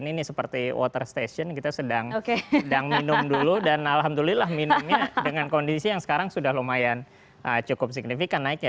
ini seperti water station kita sedang minum dulu dan alhamdulillah minumnya dengan kondisi yang sekarang sudah lumayan cukup signifikan naiknya